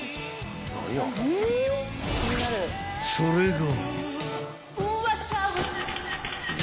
［それが］